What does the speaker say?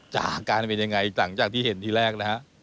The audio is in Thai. อาการเป็นยังไงหลังจากที่เห็นทีแรกนะฮะ